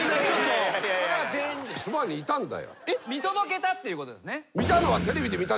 見届けたってことですね。